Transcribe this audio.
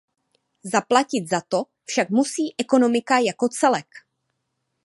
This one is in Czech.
Zaplatit za to však musí ekonomika jako celek.